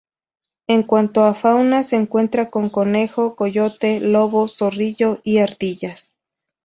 En cuanto a fauna se cuenta con conejo, coyote, lobo, zorrillo y ardillas.